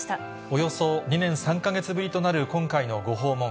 およそ２年３か月ぶりとなる今回のご訪問。